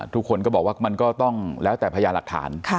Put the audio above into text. ทุกคนก็บอกว่ามันก็ต้องแล้วแต่พยานหลักฐาน